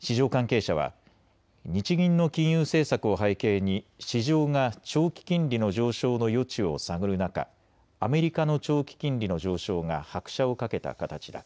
市場関係者は日銀の金融政策を背景に市場が長期金利の上昇の余地を探る中、アメリカの長期金利の上昇が拍車をかけた形だ。